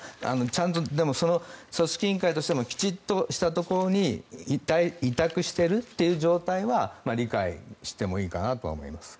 でも、組織委員会としてきちっとしたところに委託しているという状態は理解してもいいかなとは思います。